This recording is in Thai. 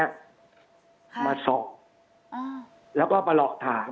ค่ะมาส่องอ้าวแล้วก็ประหลอกถาม